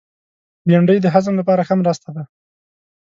بېنډۍ د هضم لپاره ښه مرسته ده